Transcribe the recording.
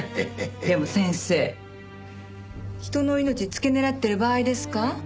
でも先生人の命付け狙ってる場合ですか？